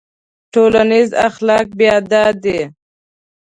ټولنیز اخلاق بیا دا دي.